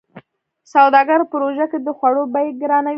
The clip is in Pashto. سوداګرو په روژه کې د خوړو بيې ګرانوي.